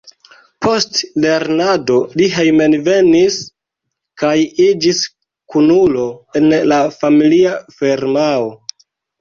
Post lernado li hejmenvenis kaj iĝis kunulo en la familia firmao.